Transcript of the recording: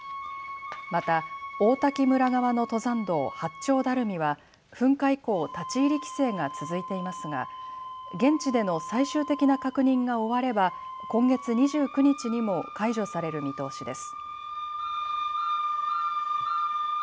また王滝村側の登山道、八丁ダルミは噴火以降立ち入り規制が続いていますが現地での最終的な確認が終われば今月２９日にも解除される見通しです。